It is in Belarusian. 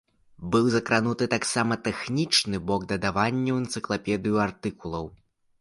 Быў закрануты таксама тэхнічны бок дадавання ў энцыклапедыю артыкулаў.